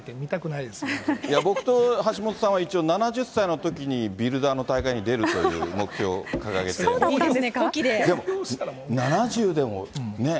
いや、僕と橋下さんは一応、７０歳のときに、ビルダーの大会に出るという目標を掲げております。